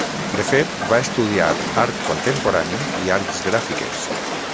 De fet, va estudiar art contemporani i arts gràfiques.